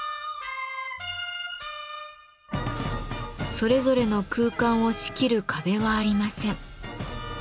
それぞれの空間を仕切る壁はありません。